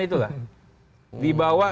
itu lah dibawa